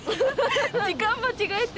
時間間違えて。